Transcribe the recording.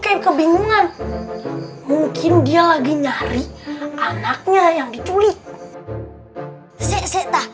kayak kebingungan mungkin dia lagi nyari anaknya yang diculik